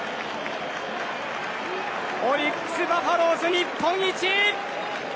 オリックス・バファローズ日本一！